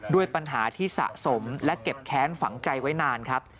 ด้วยปัญหาที่สะสมและเก็บแค้นฝังใจไว้นานครับ